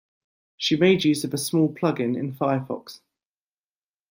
She made use of a small plug-in in Firefox